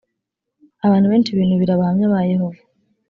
abantu benshi binubira abahamya ba yehova.